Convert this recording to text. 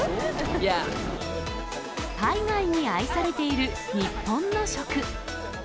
海外に愛されている、日本の食。